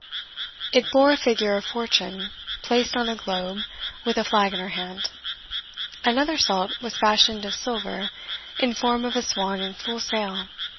It bore a figure of Fortune, placed on a globe, with a flag in her hand. Another salt was fashioned of silver, in form of a swan in full sail.